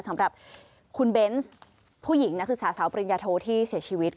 สำหรับคุณเบนส์ผู้หญิงนักศึกษาสาวปริญญาโทที่เสียชีวิต